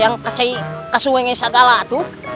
yang kecay kasu wengi segala atu